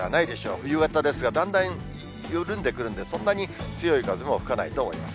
冬型ですが、だんだん緩んでくるんで、そんなに強い風も吹かないと思います。